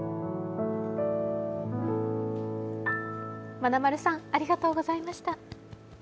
まなまるさん、ありがとうございました。